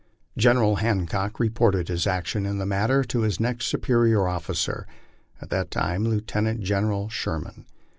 General Hancock reported his action in the matter to his next superior officer, at that time Lieutenant General Sher man.